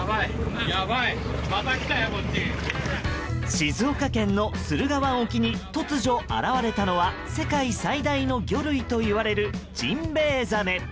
静岡県の駿河湾沖に突如、現れたのは世界最大の魚類といわれるジンベエザメ。